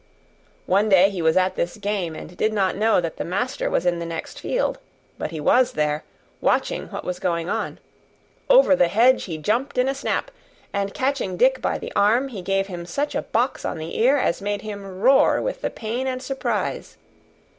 One day he was at this game, and did not know that the master was in the next field; but he was there, watching what was going on; over the hedge he jumped in a snap, and catching Dick by the arm, he gave him such a box on the ear as made him roar with the pain and surprise.